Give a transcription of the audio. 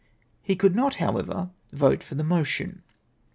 " He coidd not, however, vote for the motion.